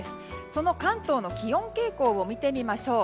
その関東の気温傾向を見てみましょう。